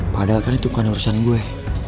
padahal kan itu kan urusan gue